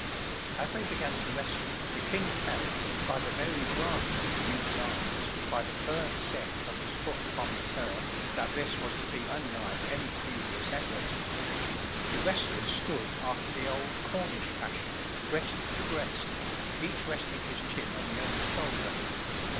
As they began to wrestle, the king felt, by the very grasp of the youth's arms, by the firm set of his foot upon the turf, that this was to be unlike any previous effort. The wrestlers stood after the old Cornish fashion, breast to breast, each resting his chin on the other's shoulder.